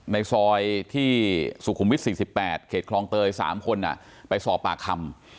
ในซอยที่สุขุมวิท๔๘เขตคลองเตย๓คนไปสอบปากคำ